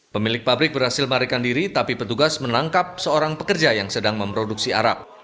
pemilik pabrik berhasil marikan diri tapi petugas menangkap seorang pekerja yang sedang memproduksi arab